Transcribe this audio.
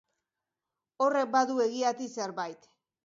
Horrek badu egiatik zerbait.